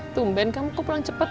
tumben kamu kok pulang cepet